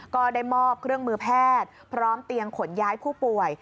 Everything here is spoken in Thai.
ก็ได้มอบเครื่องมือแพทย์พร้อมเตียงขนย้ายผู้ป่วย